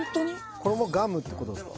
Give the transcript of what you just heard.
これもガムってことですか？